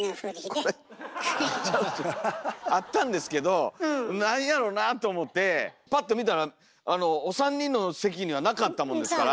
これちゃうんすよあったんですけどなんやろなと思ってパッと見たらお三人の席にはなかったもんですから。